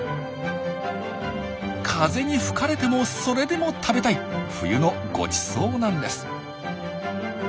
風に吹かれてもそれでも食べたい冬のごちそうなんです。